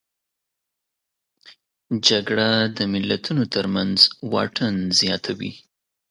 جګړه د ملتونو ترمنځ واټن زیاتوي